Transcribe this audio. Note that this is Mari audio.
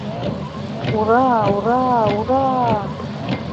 Ура... ура... ура!!!